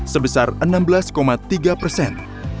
sebesar enam belas tiga persen